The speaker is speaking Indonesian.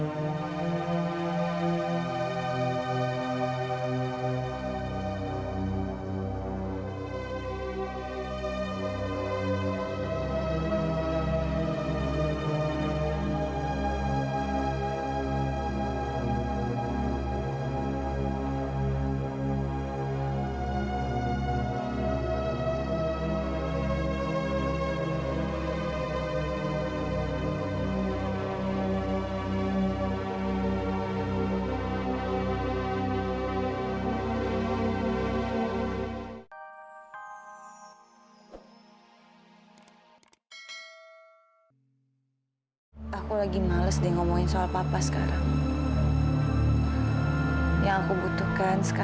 sampai jumpa di video selanjutnya